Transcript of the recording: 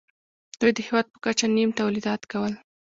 دوی د هېواد په کچه نیم تولیدات کول